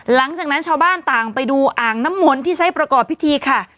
หลังจากนั้นชาวบ้านต่างไปดูอ่างน้ำมนต์ที่ใช้ประกอบพิธีค่ะ